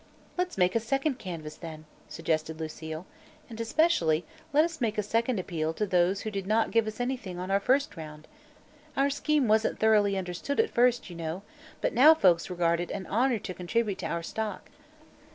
"Let's make a second canvas then," suggested Lucile. "And especially, let us make a second appeal to those who did not give us anything on our first round. Our scheme wasn't thoroughly understood at first, you know, but now folks regard it an honor to contribute to our stock."